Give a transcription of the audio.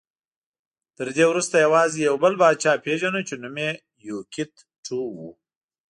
تر دې وروسته یوازې یو بل پاچا پېژنو چې نوم یې یوکیت ټو و